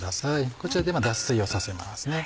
こちらで脱水をさせますね。